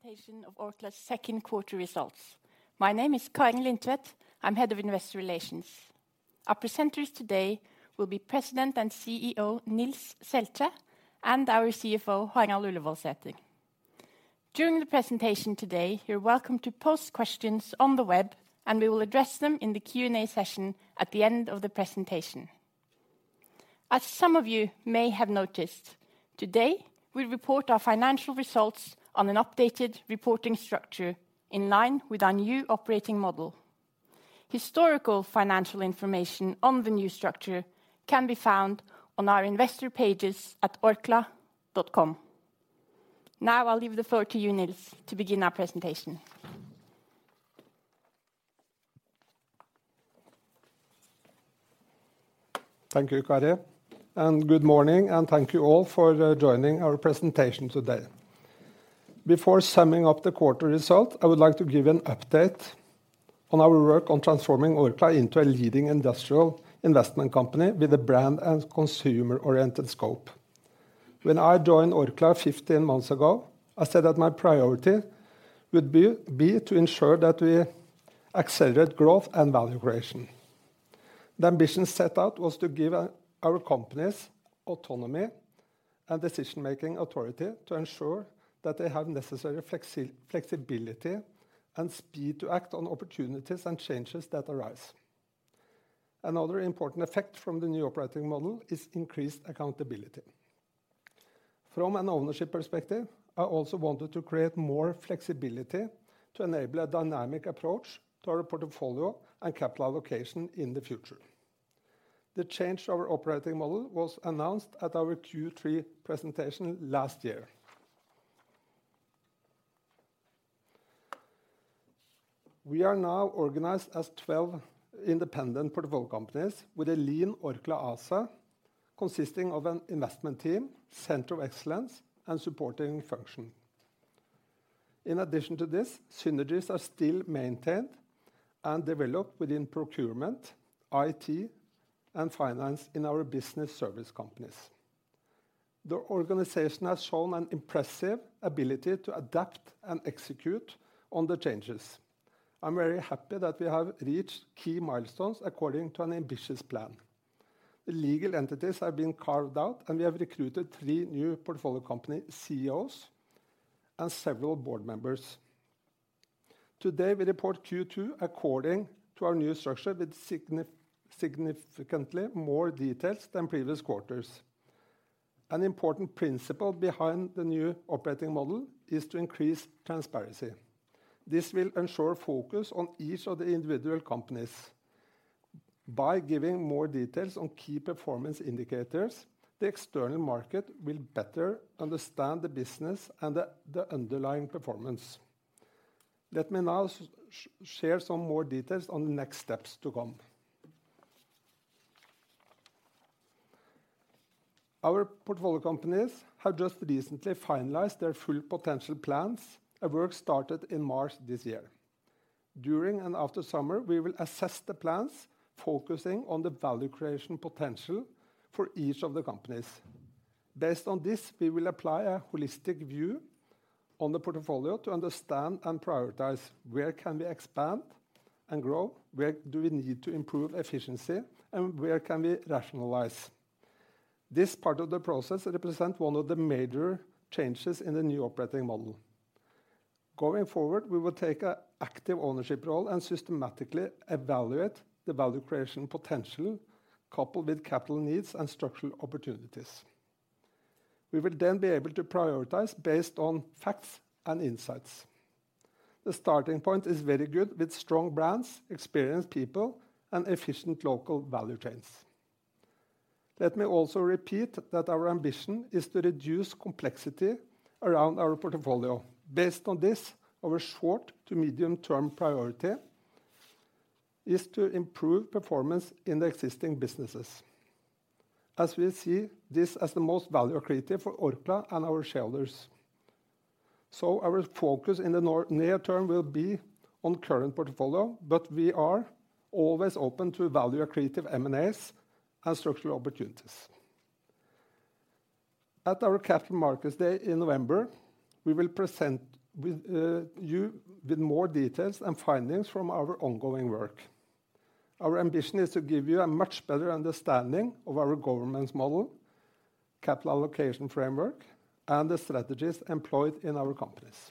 presentation of Orkla's second quarter results. My name is Kari Lindtvedt. I'm Head of Investor Relations. Our presenters today will be President and CEO, Nils Selte, and our CFO, Harald Ullevoldsæter. During the presentation today, you're welcome to post questions on the web, and we will address them in the Q&A session at the end of the presentation. As some of you may have noticed, today, we report our financial results on an updated reporting structure in line with our new operating model. Historical financial information on the new structure can be found on our investor pages at orkla.com. I'll leave the floor to you, Nils, to begin our presentation. Thank you, Kari, good morning, and thank you all for joining our presentation today. Before summing up the quarter result, I would like to give an update on our work on transforming Orkla into a leading industrial investment company with a brand and consumer-oriented scope. When I joined Orkla 15 months ago, I said that my priority would be to ensure that we accelerate growth and value creation. The ambition set out was to give our companies autonomy and decision-making authority to ensure that they have necessary flexibility and speed to act on opportunities and changes that arise. Another important effect from the new operating model is increased accountability. From an ownership perspective, I also wanted to create more flexibility to enable a dynamic approach to our portfolio and capital allocation in the future. The change of our operating model was announced at our Q3 presentation last year. We are now organized as 12 independent portfolio companies with a lean Orkla ASA, consisting of an investment team, centre of excellence, and supporting function. In addition to this, synergies are still maintained and developed within procurement, IT, and finance in our business service companies. The organization has shown an impressive ability to adapt and execute on the changes. I'm very happy that we have reached key milestones according to an ambitious plan. The legal entities have been carved out, and we have recruited three new portfolio company CEOs and several board members. Today, we report Q2 according to our new structure with significantly more details than previous quarters. An important principle behind the new operating model is to increase transparency. This will ensure focus on each of the individual companies. By giving more details on key performance indicators, the external market will better understand the business and the underlying performance. Let me now share some more details on the next steps to come. Our portfolio companies have just recently finalized their full potential plans. Work started in March this year. During and after summer, we will assess the plans, focusing on the value creation potential for each of the companies. Based on this, we will apply a holistic view on the portfolio to understand and prioritize where can we expand and grow, where do we need to improve efficiency, and where can we rationalize? This part of the process represent one of the major changes in the new operating model. Going forward, we will take an active ownership role and systematically evaluate the value creation potential, coupled with capital needs and structural opportunities. We will then be able to prioritize based on facts and insights. The starting point is very good, with strong brands, experienced people, and efficient local value chains. Let me also repeat that our ambition is to reduce complexity around our portfolio. Based on this, our short to medium-term priority is to improve performance in the existing businesses. As we see this as the most value creative for Orkla and our shareholders. Our focus in the near term will be on current portfolio, but we are always open to value creative M&As and structural opportunities. At our Capital Markets Day in November, we will present you with more details and findings from our ongoing work. Our ambition is to give you a much better understanding of our governance model, capital allocation framework, and the strategies employed in our companies.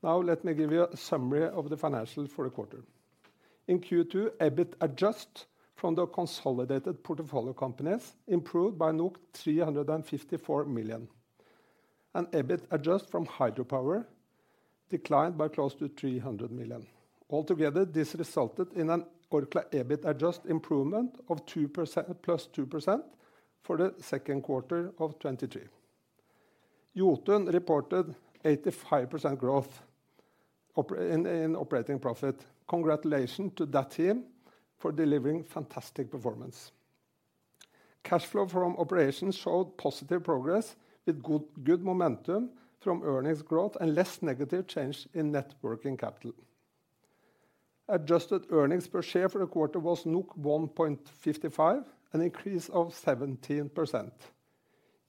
Let me give you a summary of the financials for the quarter. In Q2, EBIT (adj.) from the consolidated portfolio companies improved by 354 million, and EBIT (adj.) from hydropower declined by close to 300 million. Altogether, this resulted in an Orkla EBIT (adj.) improvement of +2% for the second quarter of 2023. Jotun reported 85% growth in operating profit. Congratulations to that team for delivering fantastic performance. Cash flow from operations showed positive progress with good momentum from earnings growth and less negative change in net working capital. Adjusted earnings per share for the quarter was 1.55, an increase of 17%.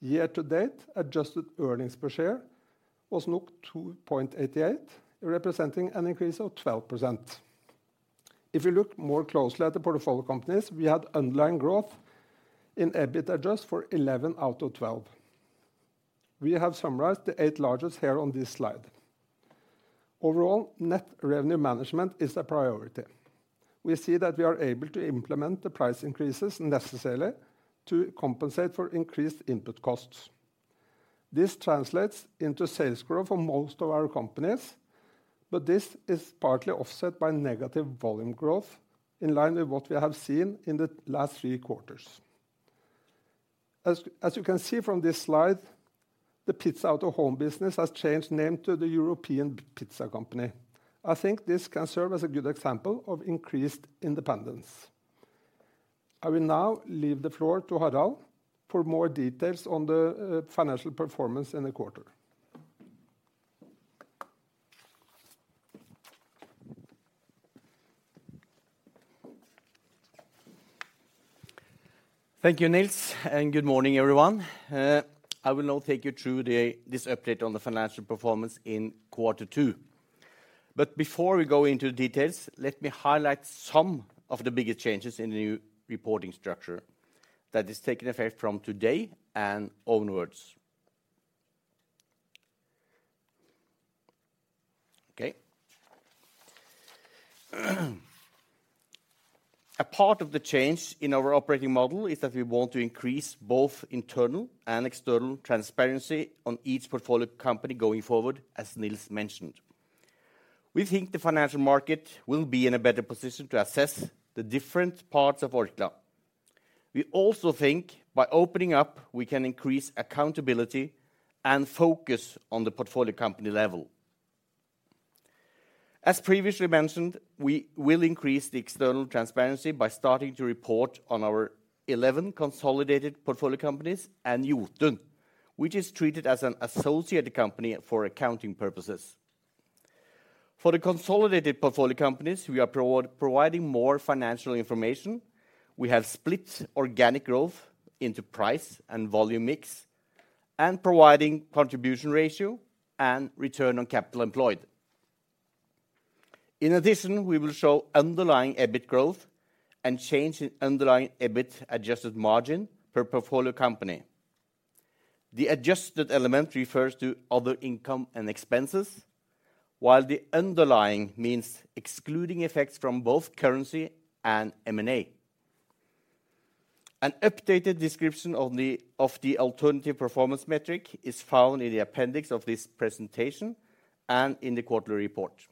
Year to date, adjusted earnings per share was 2.88, representing an increase of 12%. If you look more closely at the portfolio companies, we had underlying growth in EBIT (adj.) for 11 out of 12. We have summarized the eight largest here on this slide. Overall, net revenue management is a priority. We see that we are able to implement the price increases necessarily to compensate for increased input costs. This translates into sales growth for most of our companies, but this is partly offset by negative volume growth, in line with what we have seen in the last three quarters. As you can see from this slide, the Pizza Out-of-Home business has changed name to The European Pizza Company. I think this can serve as a good example of increased independence. I will now leave the floor to Harald for more details on the financial performance in the quarter. Thank you, Nils, and good morning, everyone. I will now take you through this update on the financial performance in quarter two. Before we go into the details, let me highlight some of the biggest changes in the new reporting structure that is taking effect from today and onwards. Okay. A part of the change in our operating model is that we want to increase both internal and external transparency on each portfolio company going forward, as Nils mentioned. We think the financial market will be in a better position to assess the different parts of Orkla. We also think by opening up, we can increase accountability and focus on the portfolio company level. As previously mentioned, we will increase the external transparency by starting to report on our 11 consolidated portfolio companies and Jotun, which is treated as an associate company for accounting purposes. For the consolidated portfolio companies, we are providing more financial information. We have split organic growth into price and volume/mix, and providing contribution ratio and return on capital employed. In addition, we will show underlying EBIT growth and change in underlying EBIT (adj.) margin per portfolio company. The adjusted element refers to other income and expenses, while the underlying means excluding effects from both currency and M&A. An updated description of the alternative performance metric is found in the appendix of this presentation and in the quarterly report.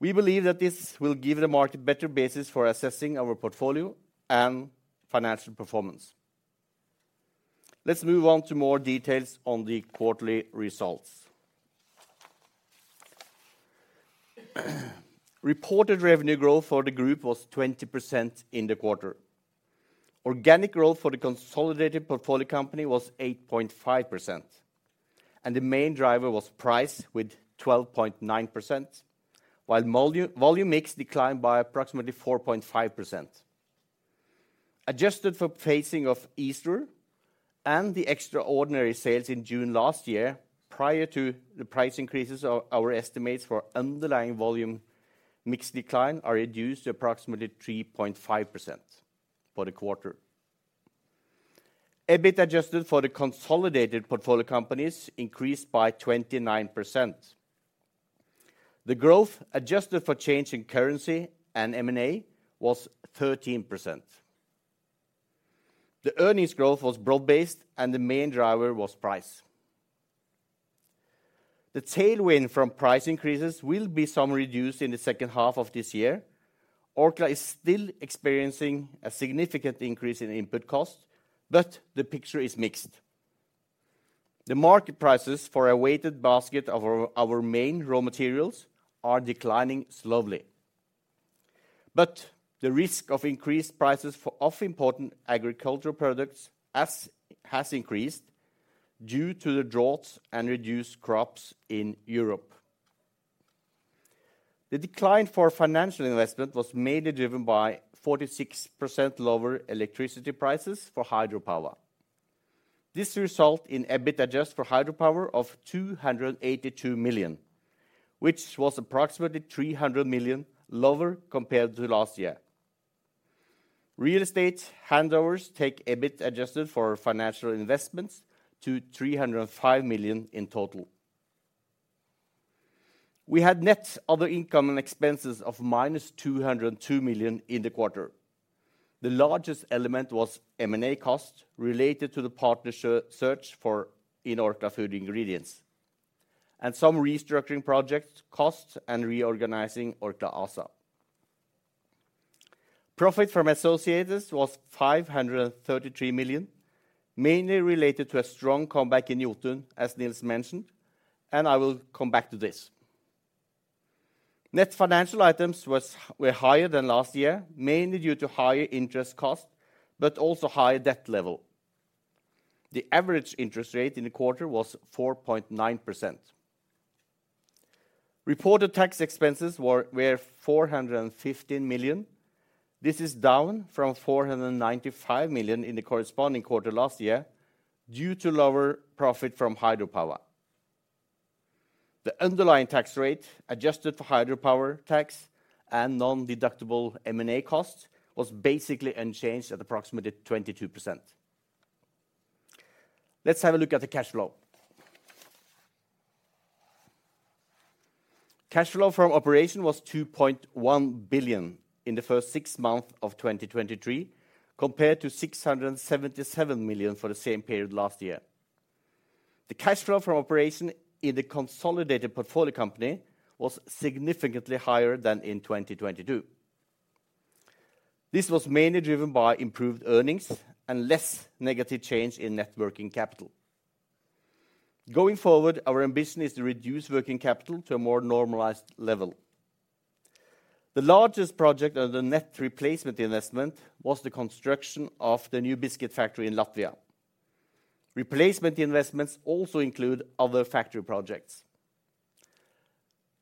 We believe that this will give the market better basis for assessing our portfolio and financial performance. Let's move on to more details on the quarterly results. Reported revenue growth for the group was 20% in the quarter. Organic growth for the consolidated portfolio company was 8.5%. The main driver was price, with 12.9%, while volume/mix declined by approximately 4.5%. Adjusted for pacing of Easter and the extraordinary sales in June last year, prior to the price increases, our estimates for underlying volume/mix decline are reduced to approximately 3.5% for the quarter. EBIT (adj.) for the consolidated portfolio companies increased by 29%. The growth, adjusted for change in currency and M&A, was 13%. The earnings growth was broad-based. The main driver was price. The tailwind from price increases will be some reduced in the second half of this year. Orkla is still experiencing a significant increase in input costs. The picture is mixed. The market prices for a weighted basket of our main raw materials are declining slowly, the risk of increased prices for important agricultural products has increased due to the droughts and reduced crops in Europe. The decline for financial investment was mainly driven by 46% lower electricity prices for hydropower. This result in EBIT (adj.) for hydropower of 282 million, which was approximately 300 million lower compared to last year. Real estate handovers take EBIT adjusted for financial investments to 305 million in total. We had net other income and expenses of minus 202 million in the quarter. The largest element was M&A costs related to the partnership search for Orkla Food Ingredients, and some restructuring projects, costs, and reorganizing Orkla ASA. Profit from associates was 533 million, mainly related to a strong comeback in Jotun, as Nils mentioned, and I will come back to this. Net financial items were higher than last year, mainly due to higher interest costs, but also higher debt level. The average interest rate in the quarter was 4.9%. Reported tax expenses were 415 million. This is down from 495 million in the corresponding quarter last year, due to lower profit from hydropower. The underlying tax rate, adjusted for hydropower tax and non-deductible M&A costs, was basically unchanged at approximately 22%. Let's have a look at the cash flow. Cash flow from operation was 2.1 billion in the first six months of 2023, compared to 677 million for the same period last year. The cash flow from operation in the consolidated portfolio company was significantly higher than in 2022. This was mainly driven by improved earnings and less negative change in net working capital. Going forward, our ambition is to reduce working capital to a more normalized level. The largest project under the net replacement investment was the construction of the new biscuit factory in Latvia. Replacement investments also include other factory projects.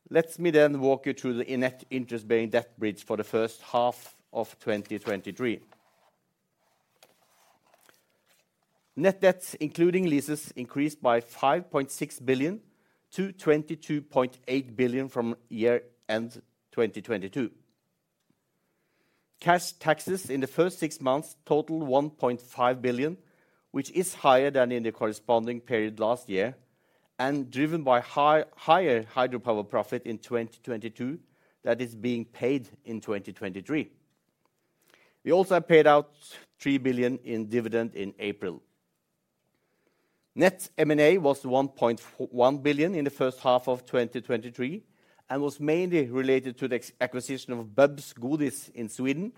Let me walk you through the net interest-bearing debt bridge for the first half of 2023. Net debts, including leases, increased by 5.6 billion to 22.8 billion from year-end 2022. Cash taxes in the first six months totaled 1.5 billion, which is higher than in the corresponding period last year, and driven by higher hydropower profit in 2022 that is being paid in 2023. We also paid out 3 billion in dividend in April. Net M&A was 1.1 billion in the first half of 2023. Was mainly related to the acquisition of Bubs Godis in Sweden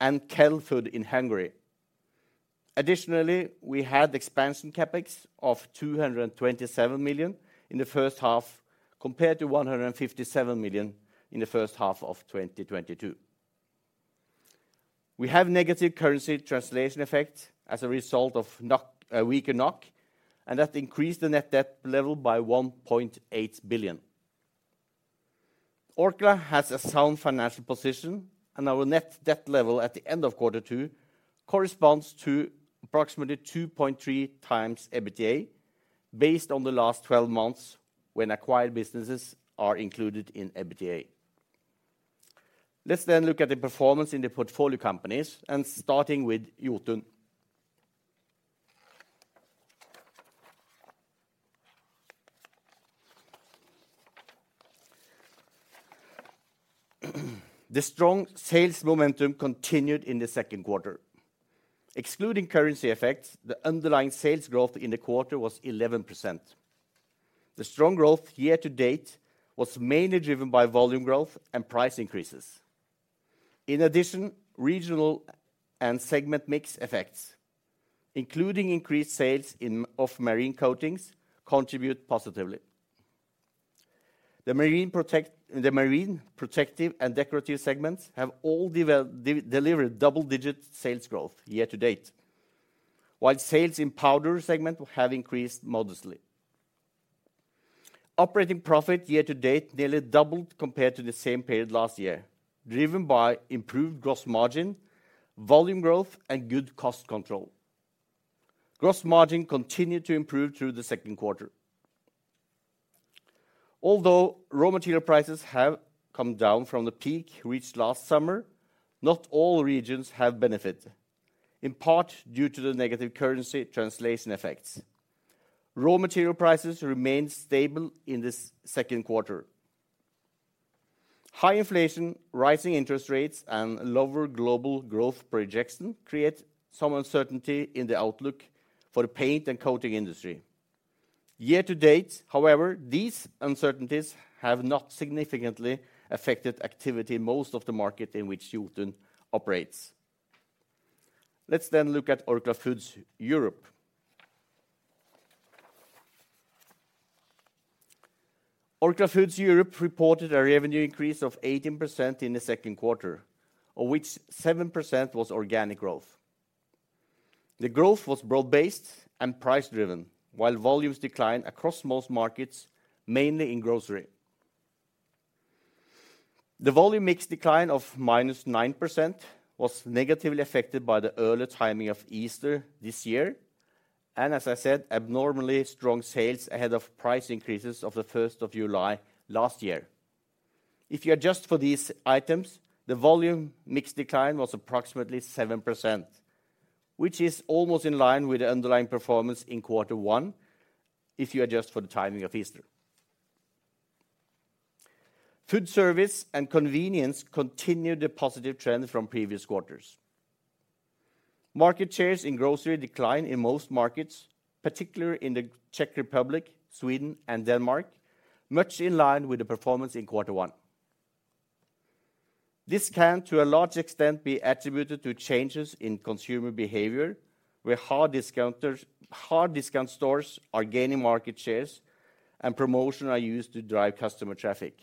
and Khell-Food in Hungary. Additionally, we had expansion capex of 227 million in the first half, compared to 157 million in the first half of 2022. We have negative currency translation effect as a result of NOK, weaker NOK. That increased the net debt level by 1.8 billion. Orkla has a sound financial position. Our net debt level at the end of quarter two corresponds to approximately 2.3 times EBITDA, based on the last twelve months when acquired businesses are included in EBITDA. Let's look at the performance in the portfolio companies. Starting with Jotun. The strong sales momentum continued in the second quarter. Excluding currency effects, the underlying sales growth in the quarter was 11%. The strong growth year to date was mainly driven by volume growth and price increases. In addition, regional and segment mix effects, including increased sales of Marine Coatings, contribute positively. The marine protective and decorative segments have all delivered double-digit sales growth year to date, while sales in powder segment have increased modestly. Operating profit year to date nearly doubled compared to the same period last year, driven by improved gross margin, volume growth, and good cost control. Gross margin continued to improve through the second quarter. Although raw material prices have come down from the peak reached last summer, not all regions have benefited, in part due to the negative currency translation effects. Raw material prices remained stable in this second quarter. High inflation, rising interest rates, and lower global growth projection create some uncertainty in the outlook for the paint and coating industry. Year to date, however, these uncertainties have not significantly affected activity in most of the market in which Jotun operates. Look at Orkla Foods Europe. Orkla Foods Europe reported a revenue increase of 18% in the second quarter, of which 7% was organic growth. The growth was broad-based and price driven, while volumes declined across most markets, mainly in grocery. The volume/mix decline of -9% was negatively affected by the earlier timing of Easter this year, and as I said, abnormally strong sales ahead of price increases of the 1st of July last year. If you adjust for these items, the volume/mix decline was approximately 7%, which is almost in line with the underlying performance in quarter one if you adjust for the timing of Easter. Food service and convenience continued the positive trend from previous quarters. Market shares in grocery declined in most markets, particularly in the Czech Republic, Sweden, and Denmark, much in line with the performance in quarter one. This can, to a large extent, be attributed to changes in consumer behavior, where hard discounters, hard discount stores are gaining market shares and promotion are used to drive customer traffic.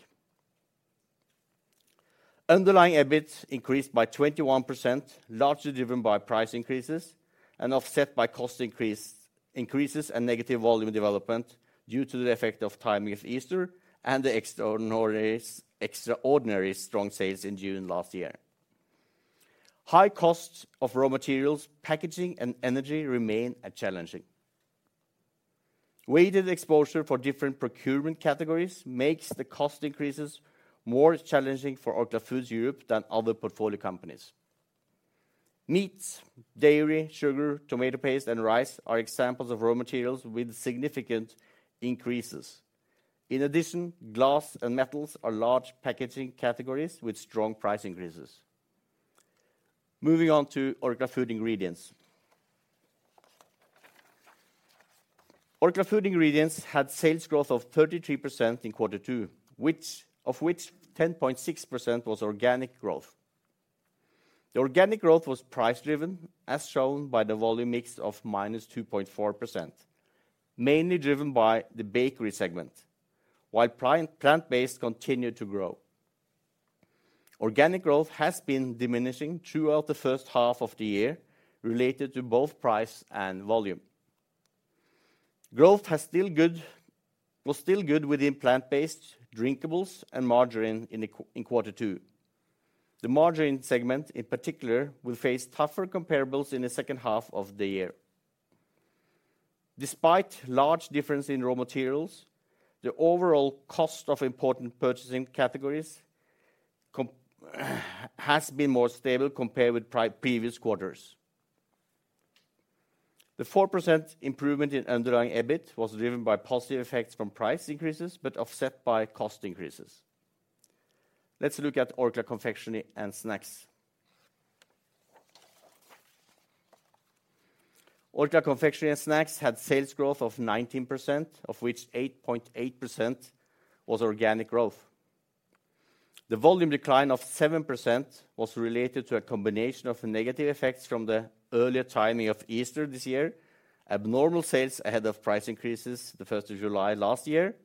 Underlying EBIT increased by 21%, largely driven by price increases and offset by cost increases and negative volume development due to the effect of timing of Easter and the extraordinary strong sales in June last year. High costs of raw materials, packaging, and energy remain challenging. Weighted exposure for different procurement categories makes the cost increases more challenging for Orkla Foods Europe than other portfolio companies. Meats, dairy, sugar, tomato paste, and rice are examples of raw materials with significant increases. Glass and metals are large packaging categories with strong price increases. Moving on to Orkla Food Ingredients. Orkla Food Ingredients had sales growth of 33% in quarter two, of which 10.6% was organic growth. The organic growth was price-driven, as shown by the volume/mix of -2.4%, mainly driven by the bakery segment, while plant-based continued to grow. Organic growth has been diminishing throughout the first half of the year, related to both price and volume. Growth was still good within plant-based drinkables and margarine in quarter two. The margarine segment, in particular, will face tougher comparables in the second half of the year. Despite large difference in raw materials, the overall cost of important purchasing categories has been more stable compared with previous quarters. The 4% improvement in underlying EBIT was driven by positive effects from price increases, offset by cost increases. Let's look at Orkla Confectionery and Snacks. Orkla Confectionery and Snacks had sales growth of 19%, of which 8.8% was organic growth. The volume decline of 7% was related to a combination of negative effects from the earlier timing of Easter this year, abnormal sales ahead of price increases the 1st of July last year,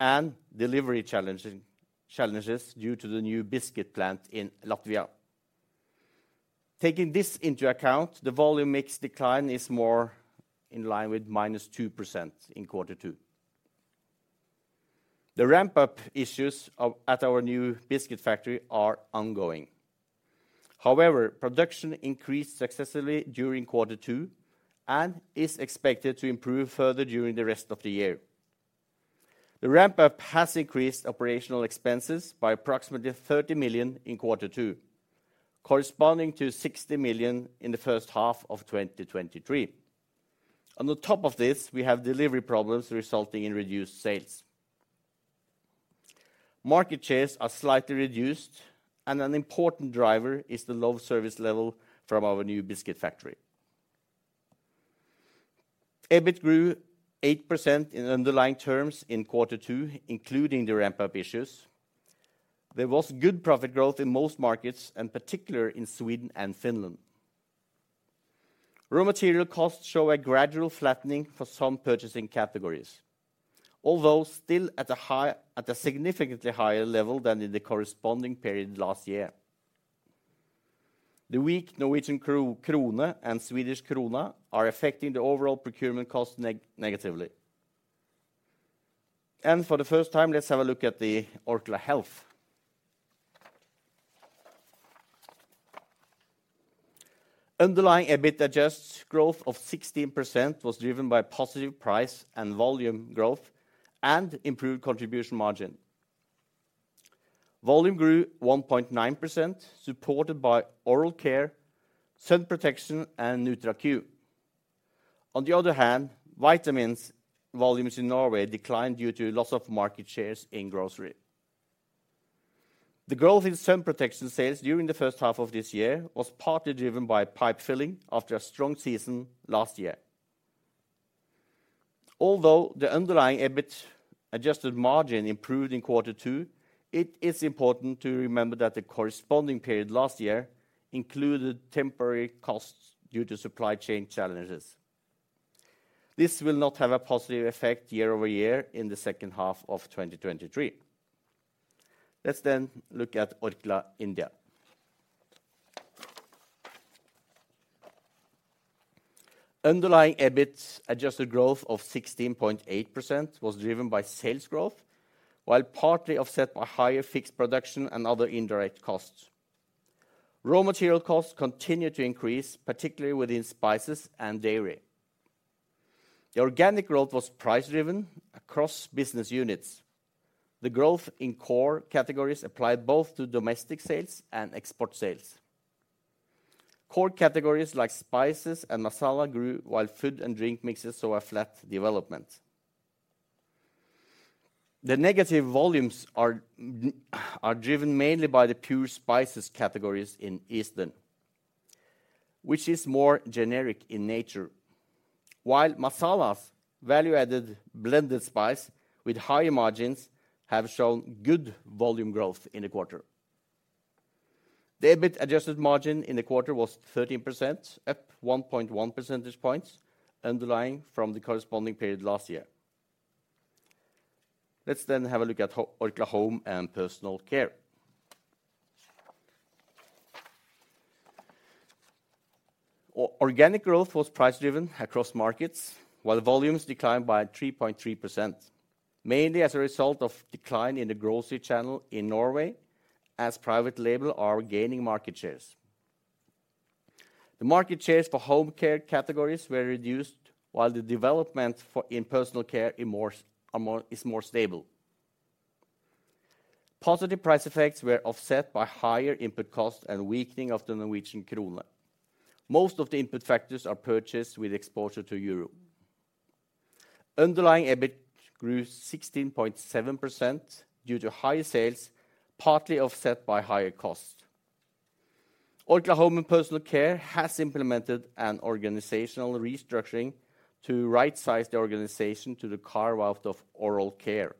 and delivery challenges due to the new biscuit plant in Latvia. Taking this into account, the volume/mix decline is more in line with -2% in quarter two. The ramp-up issues of, at our new biscuit factory are ongoing. However, production increased successfully during quarter two and is expected to improve further during the rest of the year. The ramp-up has increased operational expenses by approximately 30 million in quarter two, corresponding to 60 million in the first half of 2023. On the top of this, we have delivery problems resulting in reduced sales. Market shares are slightly reduced, and an important driver is the low service level from our new biscuit factory. EBIT grew 8% in underlying terms in quarter two, including the ramp-up issues. There was good profit growth in most markets, and particular in Sweden and Finland. Raw material costs show a gradual flattening for some purchasing categories, although still at a significantly higher level than in the corresponding period last year. The weak Norwegian krone and Swedish krona are affecting the overall procurement cost negatively. For the first time, let's have a look at the Orkla Health. Underlying EBIT (adj.) growth of 16% was driven by positive price and volume growth and improved contribution margin. Volume grew 1.9%, supported by Oral Care, Sun Protection, and NutraQ. On the other hand, vitamins volumes in Norway declined due to loss of market shares in grocery. The growth in Sun Protection sales during the first half of this year was partly driven by pipe filling after a strong season last year. Although the underlying EBIT (adj.) margin improved in quarter two, it is important to remember that the corresponding period last year included temporary costs due to supply chain challenges. This will not have a positive effect year-over-year in the second half of 2023. Let's look at Orkla India. Underlying EBIT (adj.) growth of 16.8% was driven by sales growth, while partly offset by higher fixed production and other indirect costs. Raw material costs continued to increase, particularly within spices and dairy. Organic growth was price-driven across business units. Growth in core categories applied both to domestic sales and export sales. Core categories like spices and masala grew, while food and drink mixes saw a flat development. Negative volumes are driven mainly by the pure spices categories in Eastern, which is more generic in nature. Masalas, value-added blended spice with higher margins, have shown good volume growth in the quarter. EBIT (adj.) margin in the quarter was 13%, up 1.1 percentage points, underlying from the corresponding period last year. Let's have a look at Orkla Home and Personal Care. Organic growth was price driven across markets, while volumes declined by 3.3%, mainly as a result of decline in the grocery channel in Norway, as Private Label are gaining market shares. The market shares for home care categories were reduced, while the development in personal care is more stable. Positive price effects were offset by higher input costs and weakening of the Norwegian krone. Most of the input factors are purchased with exposure to euro. Underlying EBIT grew 16.7% due to higher sales, partly offset by higher costs. Orkla Home & Personal Care has implemented an organizational restructuring to right size the organization to the carve out of Oral Care.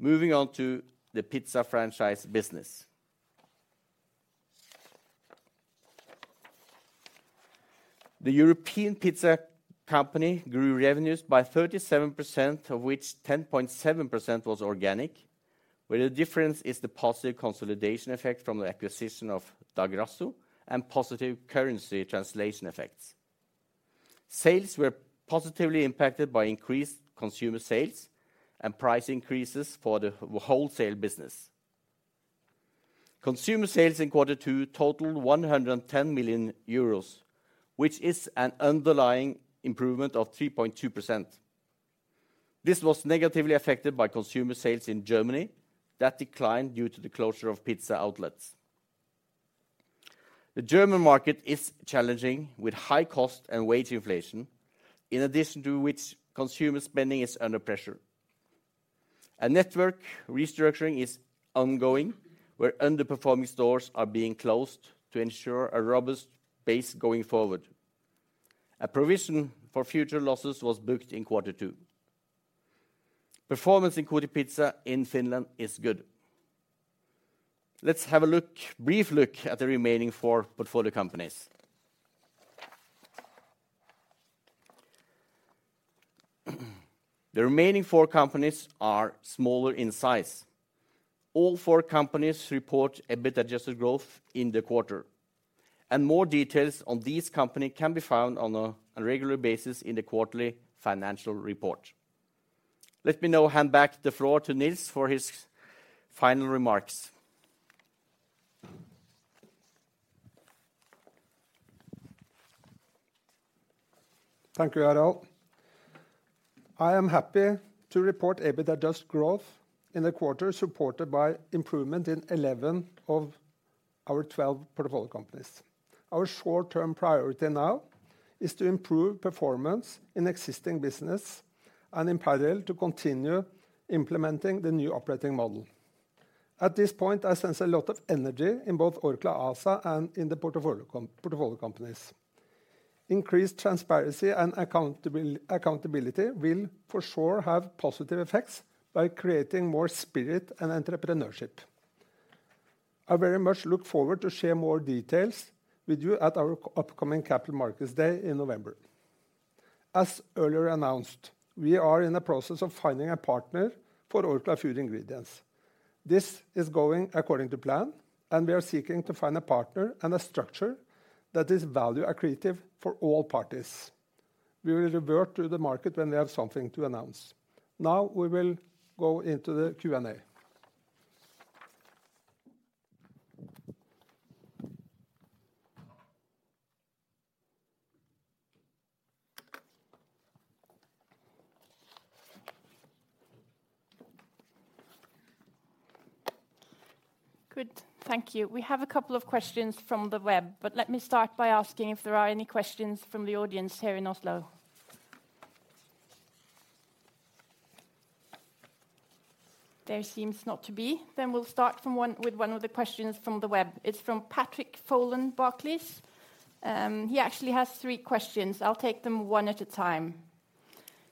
Moving on to the pizza franchise business. The European Pizza Company grew revenues by 37%, of which 10.7% was organic, where the difference is the positive consolidation effect from the acquisition of Da Grasso and positive currency translation effects. Sales were positively impacted by increased consumer sales and price increases for the wholesale business. Consumer sales in quarter two totaled 110 million euros, which is an underlying improvement of 3.2%. This was negatively affected by consumer sales in Germany. That declined due to the closure of pizza outlets. The German market is challenging, with high cost and wage inflation, in addition to which consumer spending is under pressure. A network restructuring is ongoing, where underperforming stores are being closed to ensure a robust base going forward. A provision for future losses was booked in quarter two. Performance in Kotipizza in Finland is good. Let's have a look, brief look at the remaining four portfolio companies. The remaining four companies are smaller in size. All four companies report EBIT adjusted growth in the quarter, and more details on these company can be found on a regular basis in the quarterly financial report. Let me now hand back the floor to Nils for his final remarks. Thank you, Harald. I am happy to report EBIT (adj.) growth in the quarter, supported by improvement in 11 of our 12 portfolio companies. Our short-term priority now is to improve performance in existing business and in parallel, to continue implementing the new operating model. At this point, I sense a lot of energy in both Orkla ASA and in the portfolio companies. Increased transparency and accountability will, for sure, have positive effects by creating more spirit and entrepreneurship. I very much look forward to share more details with you at our upcoming Capital Markets Day in November. As earlier announced, we are in the process of finding a partner for Orkla Food Ingredients. This is going according to plan, and we are seeking to find a partner and a structure that is value accretive for all parties. We will revert to the market when we have something to announce. We will go into the Q&A. Good. Thank you. We have a couple of questions from the web. Let me start by asking if there are any questions from the audience here in Oslo. There seems not to be. We'll start with one of the questions from the web. It's from Patrick Folan, Barclays. He actually has three questions. I'll take them one at a time.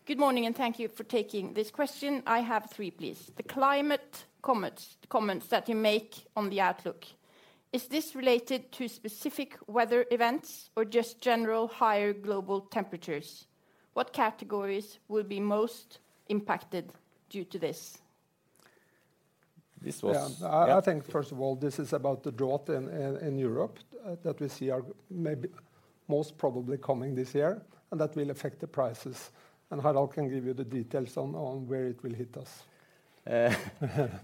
Good morning. Thank you for taking this question. I have three, please. The climate comments, the comments that you make on the outlook, is this related to specific weather events or just general higher global temperatures? What categories will be most impacted due to this? This was- Yeah. I think first of all, this is about the drought in Europe, that we see are maybe most probably coming this year, and that will affect the prices. Harald can give you the details on where it will hit us.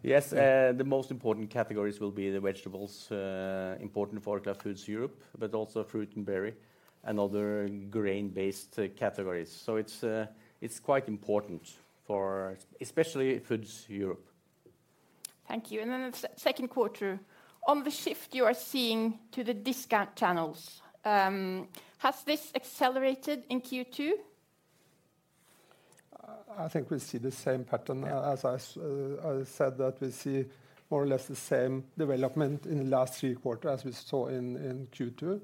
Yes, the most important categories will be the vegetables, important for Orkla Foods Europe, but also fruit and berry and other grain-based categories. It's quite important for especially Foods Europe. Thank you. Second quarter, on the shift you are seeing to the discount channels, has this accelerated in Q2? I think we see the same pattern. Yeah. As I said, that we see more or less the same development in the last three quarter as we saw in Q2.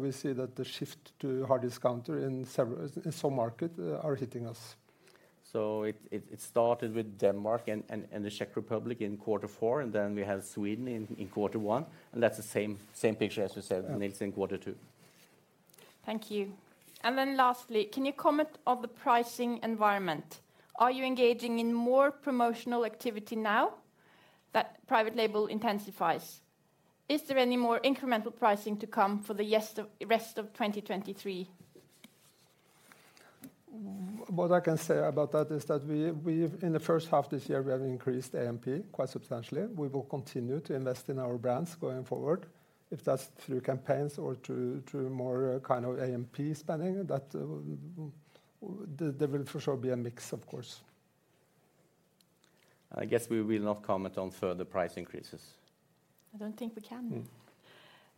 We see that the shift to hard discounter in some market are hitting us. It started with Denmark and the Czech Republic in quarter four, and then we had Sweden in quarter one, and that's the same picture, as you said, Nils, in quarter two.... Thank you. Lastly, can you comment on the pricing environment? Are you engaging in more promotional activity now that Private Label intensifies? Is there any more incremental pricing to come for the rest of 2023? What I can say about that is that we've, in the first half this year, we have increased AMP quite substantially. We will continue to invest in our brands going forward, if that's through campaigns or through more kind of AMP spending, that there will for sure be a mix, of course. I guess we will not comment on further price increases. I don't think we can.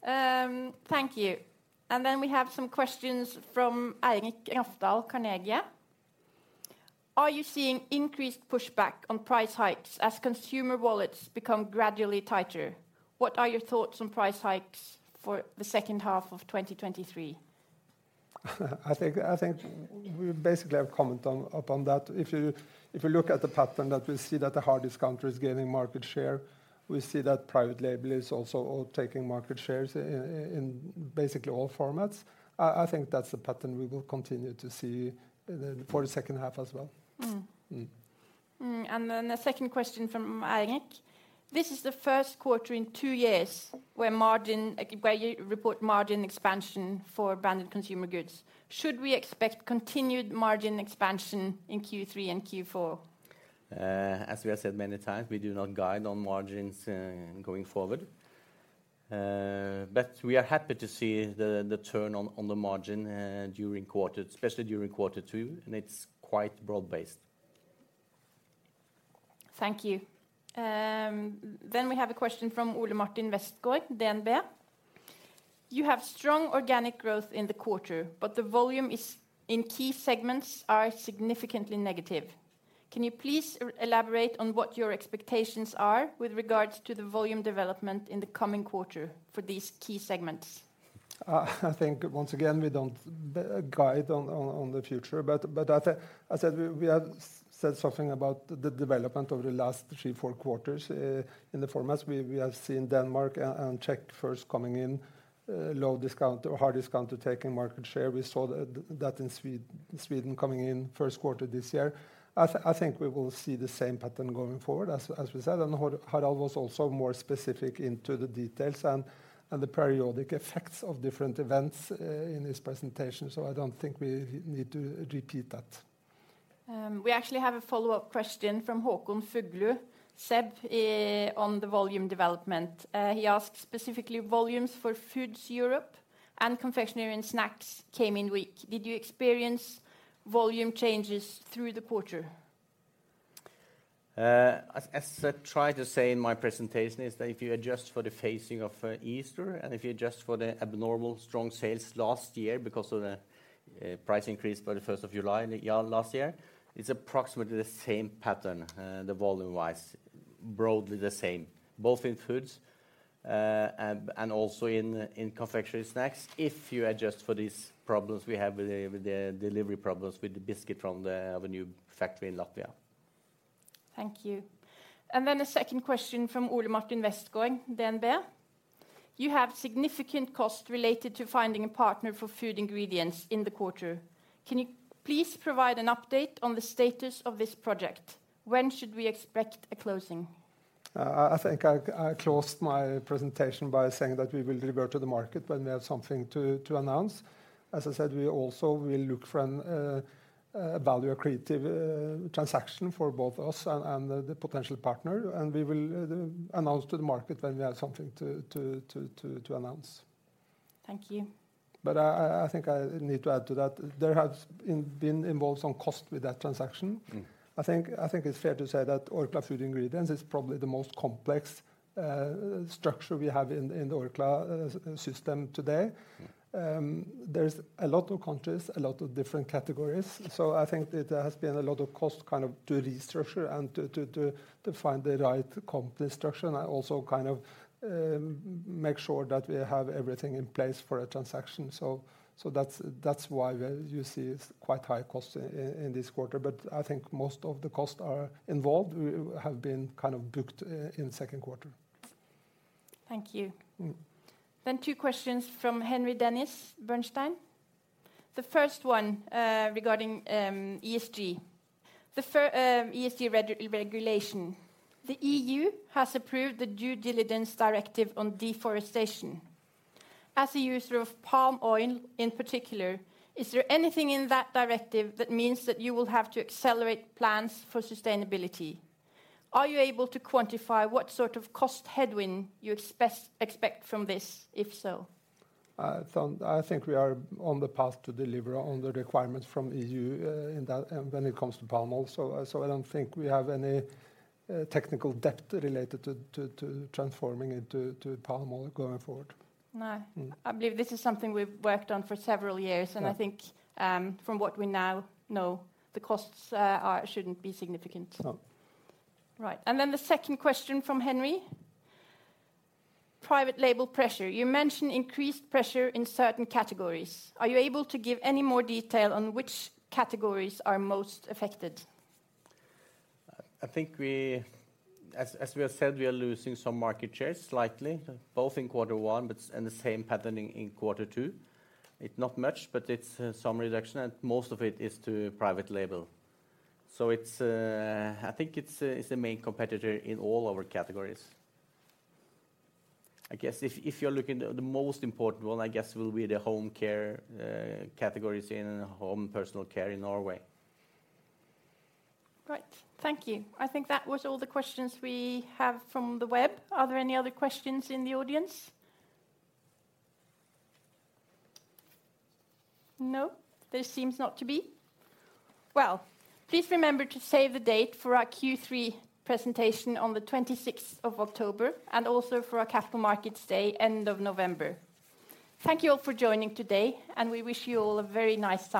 Mm. Thank you. We have some questions from Eirik Rafdal, Carnegie. Are you seeing increased pushback on price hikes as consumer wallets become gradually tighter? What are your thoughts on price hikes for the second half of 2023? I think we basically have commented on, upon that. If you look at the pattern that we see that the hard discounter is gaining market share, we see that Private Label is also all taking market shares in basically all formats. I think that's the pattern we will continue to see for the second half as well. Mm. Mm. The second question from Eirik: This is the first quarter in two years where margin, where you report margin expansion for branded consumer goods. Should we expect continued margin expansion in Q3 and Q4? As we have said many times, we do not guide on margins, going forward. We are happy to see the turn on the margin, during quarter, especially during quarter two, and it's quite broad-based. Thank you. We have a question from Ole Martin Westgaard, DNB. You have strong organic growth in the quarter, but the volume is, in key segments, are significantly negative. Can you please elaborate on what your expectations are with regards to the volume development in the coming quarter for these key segments? I think, once again, we don't guide on the future. I think, I said we have said something about the development over the last three, four quarters. In the formats, we have seen Denmark and Czech first coming in, low discount or hard discount to taking market share. We saw that in Sweden coming in first quarter this year. I think we will see the same pattern going forward, as we said, and Harald was also more specific into the details and the periodic effects of different events in his presentation. I don't think we need to repeat that. We actually have a follow-up question from Håkon Fuglu, SEB, on the volume development. He asked specifically, volumes for Foods Europe and Confectionery and Snacks came in weak. Did you experience volume changes through the quarter? As, as I tried to say in my presentation, is that if you adjust for the phasing of Easter, and if you adjust for the abnormal strong sales last year because of the price increase by the 1st of July in the year last year, it's approximately the same pattern, the volume-wise. Broadly the same, both in foods, and also in confectionery snacks. If you adjust for these problems, we have the delivery problems with the biscuit of a new factory in Latvia. Thank you. A second question from Ole Martin Westgaard, DNB. You have significant costs related to finding a partner for food ingredients in the quarter. Can you please provide an update on the status of this project? When should we expect a closing? I think I closed my presentation by saying that we will revert to the market when we have something to announce. As I said, we also will look for an a value accretive transaction for both us and the potential partner, we will announce to the market when we have something to announce. Thank you. I think I need to add to that. There has been involved some cost with that transaction. Mm. I think it's fair to say that Orkla Food Ingredients is probably the most complex structure we have in the Orkla system today. Mm. There's a lot of countries, a lot of different categories, I think that there has been a lot of cost kind of to restructure and to find the right comp structure, and also kind of make sure that we have everything in place for a transaction. That's why you see it's quite high cost in this quarter, but I think most of the costs are involved, have been kind of booked in the second quarter. Thank you. Mm. Two questions from Henry Dennis, Bernstein. The first one, regarding ESG. The ESG regulation. The EU has approved the due diligence directive on deforestation. As a user of palm oil in particular, is there anything in that directive that means that you will have to accelerate plans for sustainability? Are you able to quantify what sort of cost headwind you expect from this, if so? I think we are on the path to deliver on the requirements from EU, in that, when it comes to palm oil. So I don't think we have any technical depth related to transforming into palm oil going forward. No. Mm. I believe this is something we've worked on for several years. Yeah I think, from what we now know, the costs shouldn't be significant. No. Right, the second question from Henry. Private Label pressure. You mentioned increased pressure in certain categories. Are you able to give any more detail on which categories are most affected? I think As we have said, we are losing some market shares, slightly, both in quarter one, but and the same pattern in quarter two. It not much, but it's some reduction, and most of it is to Private Label. It's I think it's the main competitor in all our categories. I guess if you're looking at the most important one, I guess will be the home care categories in home personal care in Norway. Right. Thank you. I think that was all the questions we have from the web. Are there any other questions in the audience? No, there seems not to be. Well, please remember to save the date for our Q3 presentation on the 26th of October, and also for our Capital Markets Day, end of November. Thank you all for joining today, and we wish you all a very nice day.